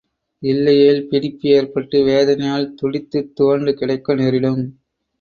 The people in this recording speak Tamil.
இல்லையேல் பிடிப்பு ஏற்பட்டு, வேதனையால் துடித்துத் துவண்டு கிடக்க நேரிடும்.